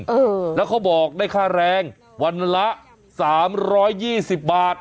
เออแล้วเขาบอกได้ค่าแรงวันละ๓๒๐บาท